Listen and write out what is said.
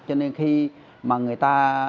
cho nên khi mà người ta